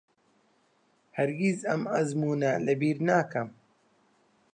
هەرگیز ئەم ئەزموونە لەبیر ناکەم.